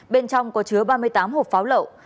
bên trong có chứa ba mươi tám hộp pháo lậu